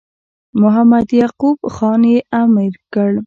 محمد یعقوب خان یې امیر کړ.